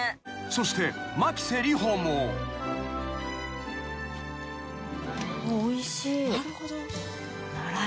［そして］おいしい。